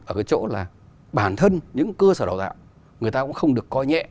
ở cái chỗ là bản thân những cơ sở đào tạo người ta cũng không được coi nhẹ